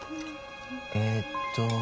えっと。